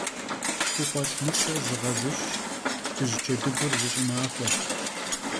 Lhxukhuelh' nıse zığe - zış'ş, dıj cedıgur zı ş'ımaxueş.